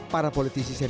para politisi semestinya